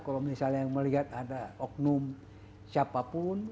kalau misalnya melihat ada oknum siapapun